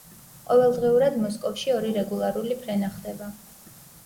ყოველდღიურად მოსკოვში ორი რეგულარული ფრენა ხდება.